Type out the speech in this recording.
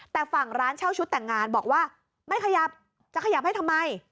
แต่ฝั่งร้านเช่าชุดแต่งงานบอกว่าไม่ขยับจะขยับให้ทำไม